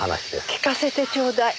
聞かせてちょうだい。